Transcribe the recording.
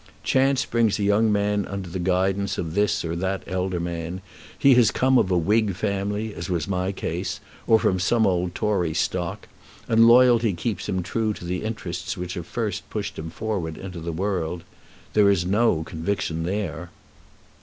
Chance brings a young man under the guidance of this or that elder man. He has come of a Whig family, as was my case, or from some old Tory stock; and loyalty keeps him true to the interests which have first pushed him forward into the world. There is no conviction there."